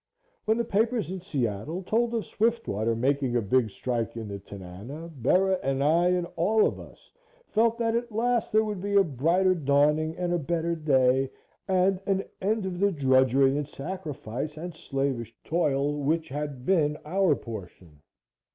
When the papers in Seattle told of Swiftwater making a big strike in the Tanana, Bera and I and all of us felt that at last there would be a brighter dawning and a better day, and an end of the drudgery and sacrifice and slavish toil which had been our portion.